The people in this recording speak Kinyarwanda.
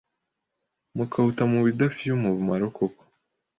mukawuta mubidafie’umumaro koko